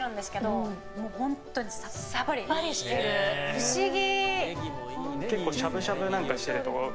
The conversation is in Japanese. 不思議！